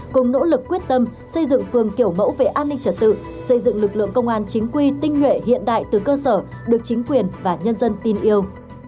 cùng nỗ lực quyết tâm xây dựng phường kiểu mẫu về an ninh trật tự xây dựng lực lượng công an chính quy tinh nguyện hiện đại từ cơ sở được chính quyền và nhân dân tin yêu